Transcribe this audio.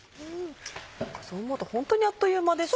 そう思うとホントにあっという間ですね。